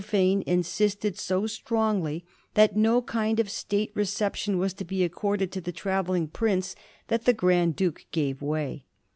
Fane insisted so strongly that no kind of State recep tion was to be accorded to the travelling prince that the Grand Duke gave way.